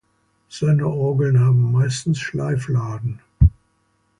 Seine Orgeln haben meistens Schleifladen.